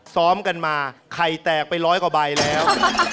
ซ้อมกันมาไข่แตกไปร้อยกว่าใบแล้ว